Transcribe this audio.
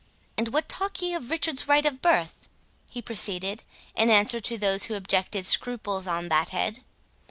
—And what talk ye of Richard's right of birth?" he proceeded, in answer to those who objected scruples on that head.